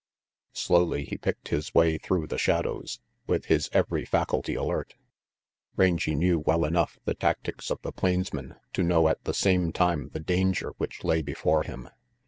Slowly he picked his way through the shadows, with his every faculty alert. Rangy knew well enough the tactics of the plains men to know at the same time the danger which lay before him.